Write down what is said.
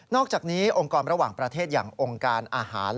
อกจากนี้องค์กรระหว่างประเทศอย่างองค์การอาหาร